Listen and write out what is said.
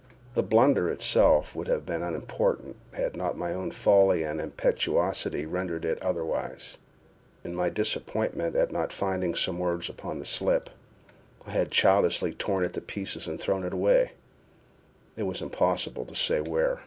The blunder itself would have been unimportant, had not my own folly and impetuosity rendered it otherwise—in my disappointment at not finding some words upon the slip, I had childishly torn it in pieces and thrown it away, it was impossible to say where.